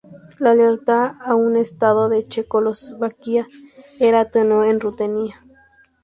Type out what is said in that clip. La lealtad a un Estado de Checoslovaquia era tenue en Rutenia.